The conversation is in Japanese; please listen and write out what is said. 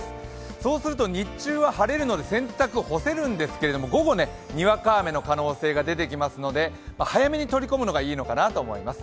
そうすると日中は晴れるので洗濯干せるんですけれども、午後、にわか雨の可能性が出てきますので早めに取り込むのがいいのかなと思います。